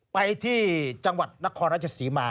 ไปที่จังหวัดนครราชศรีมา